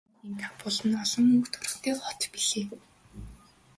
Өнөөгийн Кабул нь олон өнгө төрхтэй хот билээ.